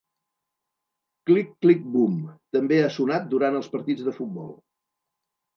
"Click Click Boom" també ha sonat durant els partits de futbol.